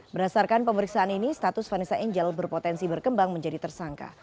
berdasarkan pemeriksaan ini status vanessa angel berpotensi berkembang menjadi tersangka